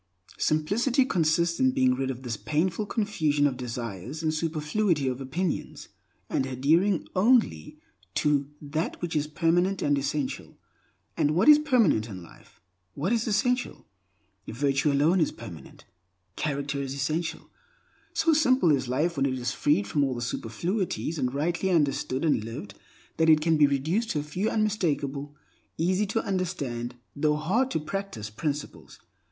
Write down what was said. Simplicity consists in being rid of this painful confusion of desires and superfluity of opinions, and adhering only to that which is permanent and essential. And what is permanent in life? What is essential? Virtue alone is permanent; character is essential. So simple is life when it is freed from all superfluities and rightly understood and lived that it can be reduced to a few unmistakable, easy tounderstand, though hard to practice principles.